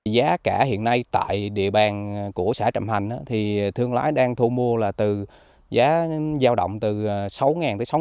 giá cả hiện nay tại địa bàn của xã trầm hành thì thương lái đang thu mua là từ giá giao động từ sáu tới sáu bốn trăm linh